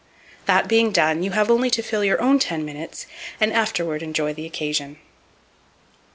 That being done, you have only to fill your own ten minutes and afterward enjoy the occasion.